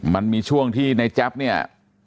มันมีช่วงที่ในแจ๊บเนี่ย